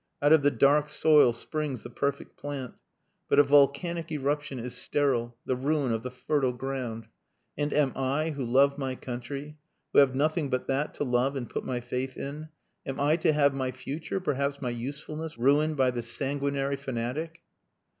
Out of the dark soil springs the perfect plant. But a volcanic eruption is sterile, the ruin of the fertile ground. And am I, who love my country who have nothing but that to love and put my faith in am I to have my future, perhaps my usefulness, ruined by this sanguinary fanatic?"